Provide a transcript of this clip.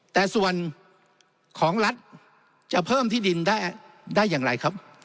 แต่ส่วนของรัฐจะเพิ่มที่ดินได้อย่างไรครับ